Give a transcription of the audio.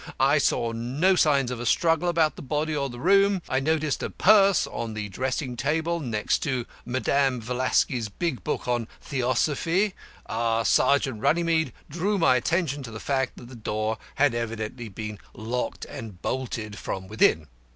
I saw no signs of a struggle about the body or the room. I noticed a purse on the dressing table, lying next to Madame Blavatsky's big book on Theosophy. Sergeant Runnymede drew my attention to the fact that the door had evidently been locked and bolted from within."